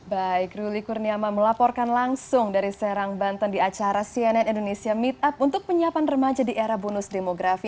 baik ruli kurniama melaporkan langsung dari serang banten di acara cnn indonesia meetup untuk penyiapan remaja di era bonus demografi